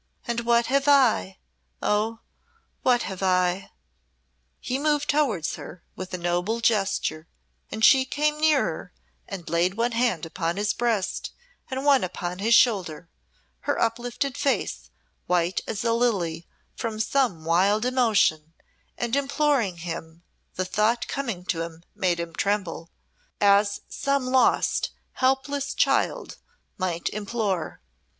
And what have I oh, what have I?" He moved towards her with a noble gesture, and she came nearer and laid one hand upon his breast and one upon his shoulder, her uplifted face white as a lily from some wild emotion, and imploring him the thought coming to him made him tremble as some lost, helpless child might implore.